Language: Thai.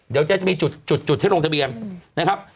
เดี๋ยวจะมีจุดที่ลงทะเบียนนะครับ